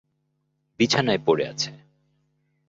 বিছানায় পড়ে আছে।